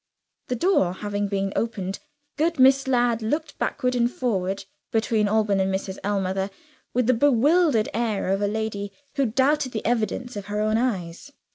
The door having been opened, good Miss Ladd looked backward and forward between Alban and Mrs. Ellmother, with the bewildered air of a lady who doubted the evidence of her own eyes.